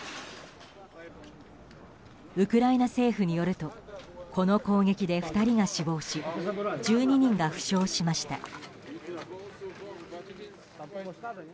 ウクライナ政府によるとこの攻撃で２人が死亡し１２人が負傷しました。